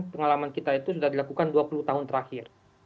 pengalaman kita itu sudah dilakukan dua puluh tahun terakhir